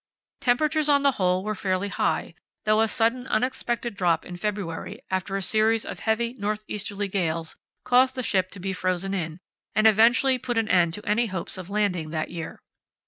Temperatures on the whole were fairly high, though a sudden unexpected drop in February, after a series of heavy north easterly gales, caused the ship to be frozen in, and effectually put an end to any hopes of landing that year.